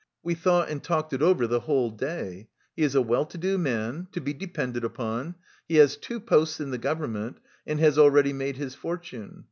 We thought and talked it over the whole day. He is a well to do man, to be depended upon, he has two posts in the government and has already made his fortune.